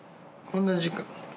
こんな時間。